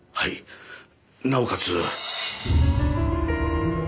なおかつ。